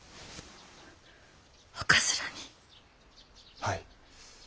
はい。